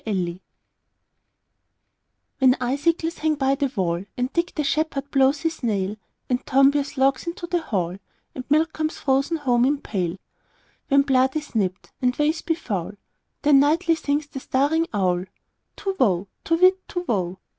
Winter WHEN icicles hang by the wallAnd Dick the shepherd blows his nail, And Tom bears logs into the hall, And milk comes frozen home in pail; When blood is nipt, and ways be foul, Then nightly sings the staring owlTu whoo! To whit, Tu whoo!